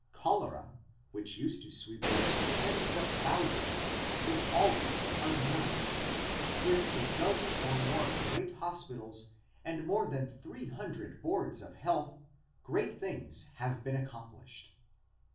Cholera, which used to sweep away tens of thousands is almost unknown. With a dozen or more great hospitals and more than three hundred boards of health, great things have been accomplished.